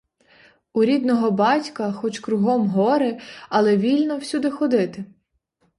У рідного батька, хоч кругом гори, але вільно всюди ходити.